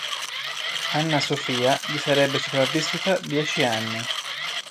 Anna Sofia gli sarebbe sopravvissuta dieci anni.